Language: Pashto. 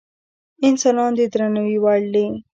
انسانان د درناوي وړ دي.